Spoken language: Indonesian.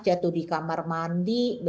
jatuh di kamar mandi